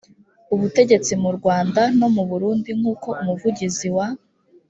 ubutegetsi mu rwanda no mu burundi nk uko umuvugizi wa